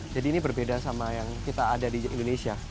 ini berbeda sama yang kita ada di indonesia